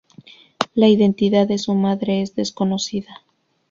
La identidad de su madre es desconocida.